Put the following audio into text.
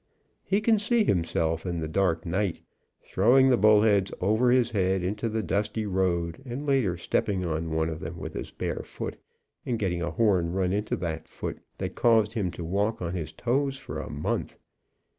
He can see himself in the dark night, throwing the bullheads over his head into the dusty road, and later stepping on one of them with' his bare foot, and getting a horn run into the foot that caused him to walk on his toes for a month.